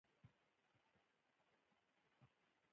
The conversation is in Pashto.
د افغانستان د اقتصادي پرمختګ لپاره پکار ده چې تبلیغات وشي.